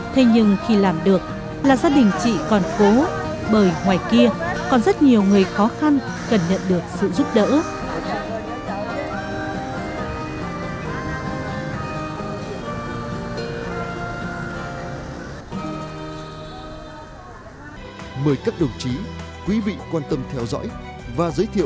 thế nhưng khi làm được là gia đình chị còn cố bởi ngoài kia còn rất nhiều người khó khăn cần nhận được sự giúp đỡ